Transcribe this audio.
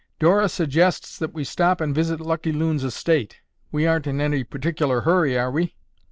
Dora suggests that we stop and visit Lucky Loon's estate. We aren't in any particular hurry, are we?"